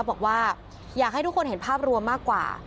บอกว่าอยากให้ทุกคนเห็นภาพรวมมากกว่า